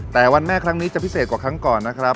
แต่วันแม่ครั้งนี้จะพิเศษกว่าครั้งก่อนนะครับ